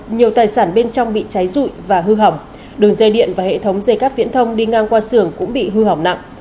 nhiều tài sản bên trong bị cháy rụi và hư hỏng đường dây điện và hệ thống dây cắp viễn thông đi ngang qua xưởng cũng bị hư hỏng nặng